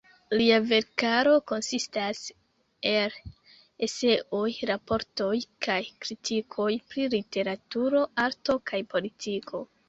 Lia verkaro konsistas el eseoj, raportoj kaj kritikoj pri literaturo, arto kaj politiko.